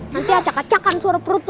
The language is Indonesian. nanti acak acakan suara perut lo